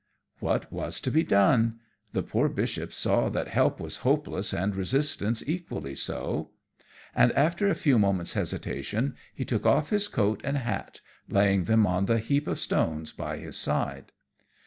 What was to be done? The poor Bishop saw that help was hopeless and resistance equally so, and, after a few moments' hesitation, he took off his coat and hat, laying them on the heap of stones by his side.